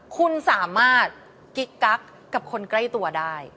คุณสามารถกิ๊กกักกับคนใกล้ตัวได้